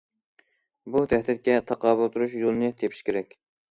بۇ تەھدىتكە تاقابىل تۇرۇش يولىنى تېپىش كېرەك.